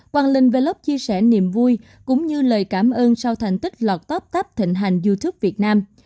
hoàng linh về lốc chia sẻ niềm vui cũng như lời cảm ơn sau thành tích lọt tắp tắp thịnh hành youtube việt nam